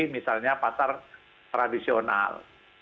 misalnya pasar tradisional